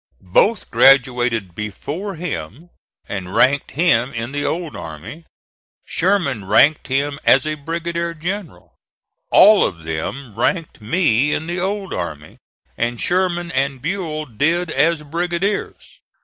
Both graduated before him and ranked him in the old army. Sherman ranked him as a brigadier general. All of them ranked me in the old army, and Sherman and Buell did as brigadiers.